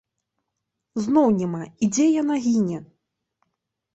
Зноў няма, і дзе яна гіне!